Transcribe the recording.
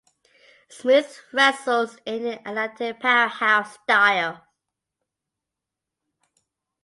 Smooth wrestles in an "athletic powerhouse" style.